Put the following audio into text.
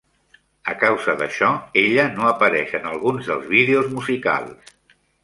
A causa d'això, Ella no apareix en alguns dels vídeos musicals.